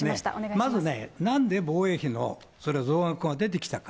まずね、なんで防衛費の増額が出てきたか。